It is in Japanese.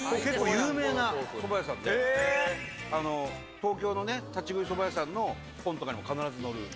東京の立ち食いそば屋さんとかの本とかにも必ず載る。